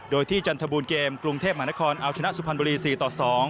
โดยที่จันทบูรเกมกรุงเทพมหานครเอาชนะสุพรรณบุรี๔ต่อ๒